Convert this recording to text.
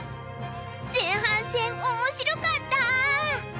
前半戦面白かった！